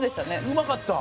うまかった。